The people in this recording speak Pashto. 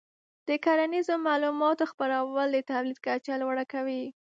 د کرنیزو معلوماتو خپرول د تولید کچه لوړه کوي.